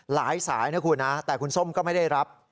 สายนะคุณนะแต่คุณส้มก็ไม่ได้รับ